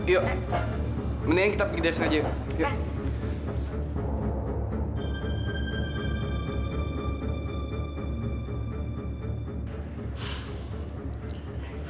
yuk mendingan kita pergi dari sini aja yuk